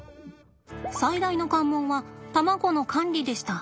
最大の関門は卵の管理でした。